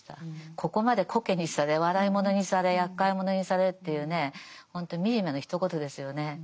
ここまでコケにされ笑い者にされやっかい者にされっていうねほんと惨めのひと言ですよね。